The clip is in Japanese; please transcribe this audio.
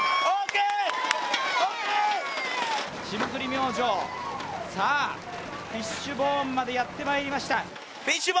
霜降り明星、さあ、フィッシュボーンまでやってまいりました。